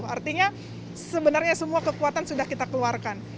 artinya sebenarnya semua kekuatan sudah kita keluarkan